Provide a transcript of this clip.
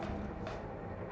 tapi kasiharr